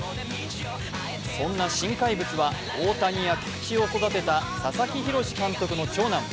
そんな新怪物は大谷や菊池を育てた佐々木洋監督の長男。